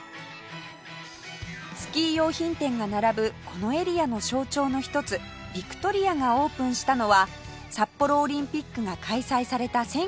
スキー用品店が並ぶこのエリアの象徴の一つヴィクトリアがオープンしたのは札幌オリンピックが開催された１９７２年